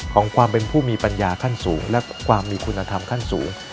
ของความเป็นผู้มีปัญญาขั้นสูงและความมีคุณธรรมขั้นสูง